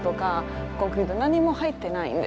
何も入ってないんです。